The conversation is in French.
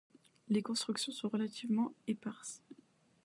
Les constructions sont relativement éparses.